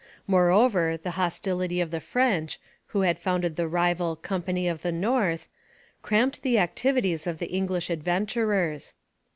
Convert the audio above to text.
Moreover, the hostility of the French, who had founded the rival Company of the North, cramped the activities of the English adventurers.